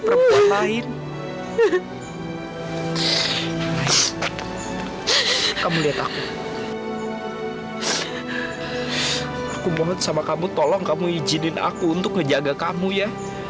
perempuan lain hai kamu lihat aku aku banget sama kamu tolong kamu ijinin aku untuk menjaga kamu ya